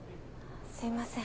すみません。